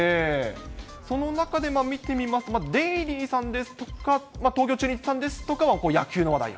その中で見てみますと、デイリーさんですとか、東京中日さんですとかは、野球の話題と。